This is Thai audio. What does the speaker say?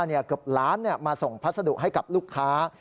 เกือบล้านมาส่งพัสดุให้กับลูกค้า